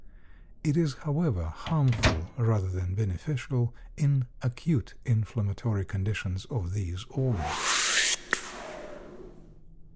It is, however, harmful, rather than beneficial, in acute inflammatory conditions of these organs.